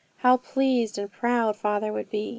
How pleased and proud father would be!